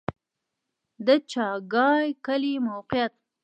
د چاګای کلی موقعیت